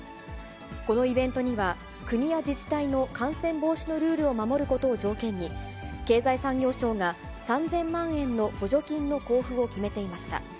このイベントには、国や自治体の感染防止のルールを守ることを条件に、経済産業省が３０００万円の補助金の交付を決めていました。